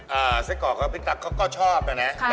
อ้าวสะกรอกพี่ตั๊กก็ชอบนะนะ